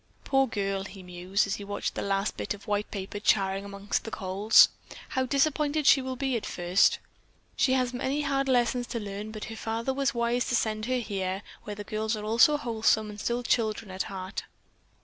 "Poor girl," he mused, as he watched the last bit of white paper charring among the coals. "How disappointed she will be just at first. She has many hard lessons to learn, but her father was wise to send her here, where the girls are all so wholesome and still children at heart."